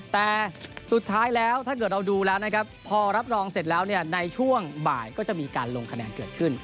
แต่สุดท้ายแล้วถ้าเกิดเราดูแล้วนะครับพอรับรองเสร็จแล้วเนี่ยในช่วงบ่ายก็จะมีการลงคะแนนเกิดขึ้น